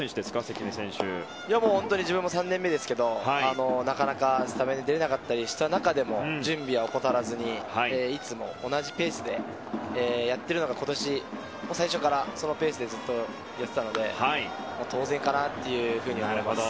自分も３年目ですけどなかなかスタメンで出れなかった中でも準備は怠らずにいつも同じペースでやっているのが今年、最初からそのペースでずっとやっていたので当然かなというふうに思います。